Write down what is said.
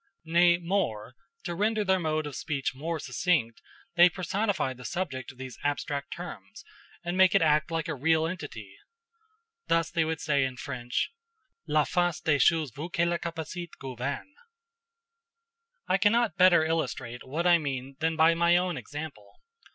Nay, more, to render their mode of speech more succinct, they personify the subject of these abstract terms, and make it act like a real entity. Thus they would say in French, "La force des choses veut que les capacites gouvernent." I cannot better illustrate what I mean than by my own example.